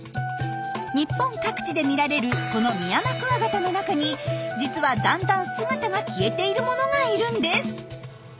日本各地で見られるこのミヤマクワガタの中に実はだんだん姿が消えているものがいるんです。